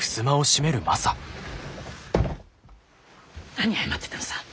何謝ってたのさ？